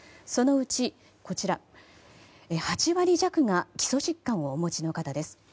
そのうち、８割弱が基礎疾患をお持ちの方です。